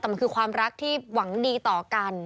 แต่มันคือความรักที่หวังดีต่อกัน